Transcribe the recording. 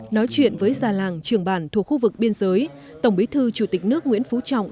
nói chuyện với già làng trưởng bản thuộc khu vực biên giới tổng bí thư chủ tịch nước nguyễn phú trọng